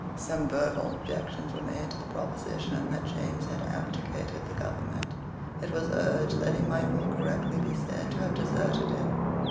Some verbal objections were made to the proposition that James had abdicated the government. It was urged that he might more correctly be said to have deserted it.